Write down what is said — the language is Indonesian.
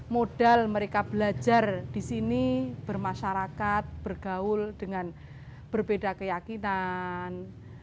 modal mereka belajar di sini bermasyarakat bergaul dengan berbeda keyakinan